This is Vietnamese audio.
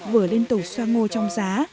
vừa liên tục xoa ngô trong xá